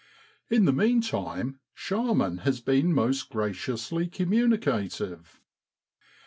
In the meantime Sharman has been most graciously communicative.